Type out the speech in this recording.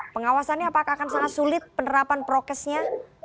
pengawasannya apakah akan sangat sulit penerapan prokesnya